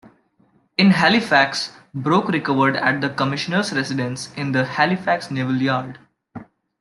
In Halifax, Broke recovered at the Commissioner's residence in the Halifax Naval Yard.